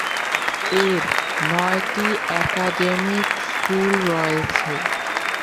এর নয়টি academic school রয়েছে।